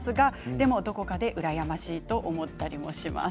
でも、どこかで羨ましいと思ったりもします。